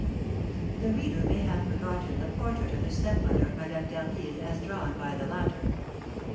The reader may have forgotten the portrait of the stepmother of Madame d'Harville as drawn by the latter.